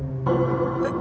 えっ！？